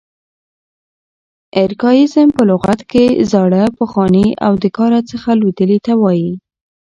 ارکاییزم په لغت کښي زاړه، پخواني او د کاره څخه لوېدلي ته وایي.